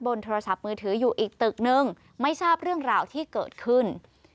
โทรศัพท์มือถืออยู่อีกตึกนึงไม่ทราบเรื่องราวที่เกิดขึ้น